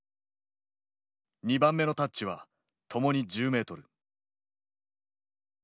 ２番目のタッチは共に１０ｍ。